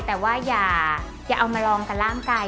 แต่ว่าอย่าเอามาลองกับร่างกาย